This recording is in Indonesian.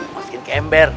masukin ke ember